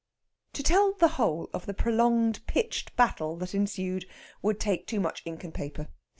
To tell the whole of the prolonged pitched battle that ensued would take too much ink and paper.